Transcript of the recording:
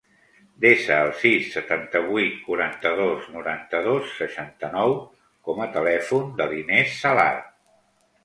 Desa el sis, setanta-vuit, quaranta-dos, noranta-dos, seixanta-nou com a telèfon de l'Inès Salar.